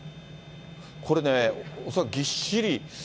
これね、恐らくぎっしり。